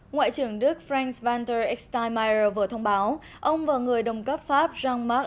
ngoại trưởng đức frank walter steinmeier vừa thông báo ông và người đồng cấp pháp jean marc